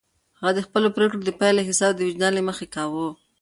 هغه د خپلو پرېکړو د پایلو حساب د وجدان له مخې کاوه.